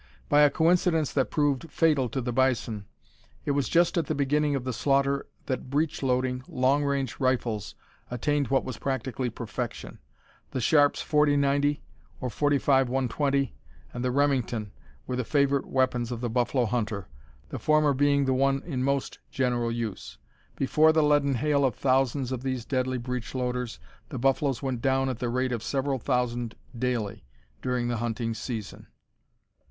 By a coincidence that proved fatal to the bison, it was just at the beginning of the slaughter that breech loading, long range rifles attained what was practically perfection. The Sharps 40 90 or 45 120, and the Remington were the favorite weapons of the buffalo hunter, the former being the one in most general use. Before the leaden hail of thousands of these deadly breech loaders the buffaloes went down at the rate of several thousand daily during the hunting season.